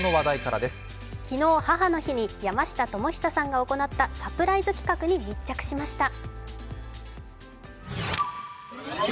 昨日、母の日に山下智久さんが行ったサプライズ企画に密着しました。